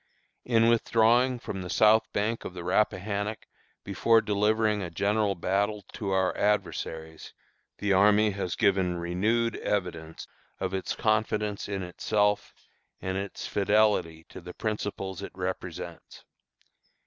"In withdrawing from the south bank of the Rappahannock before delivering a general battle to our adversaries, the army has given renewed evidence of its confidence in itself and its fidelity to the principles it represents.